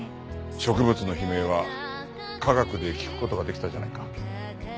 植物の悲鳴は科学で聞く事ができたじゃないか。